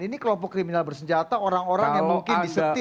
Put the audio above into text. ini kelompok kriminal bersenjata orang orang yang mungkin disetir